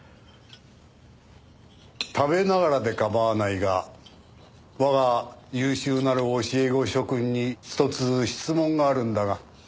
食べながらで構わないが我が優秀なる教え子諸君にひとつ質問があるんだが。